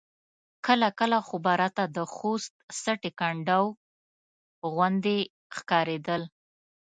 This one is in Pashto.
کله کله خو به راته د خوست سټې کنډاو غوندې ښکارېدل.